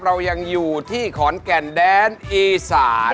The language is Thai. เรายังอยู่ที่ขอนแก่นแดนอีสาน